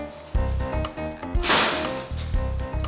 siapa yang cemburu